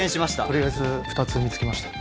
取りあえず２つ見つけました。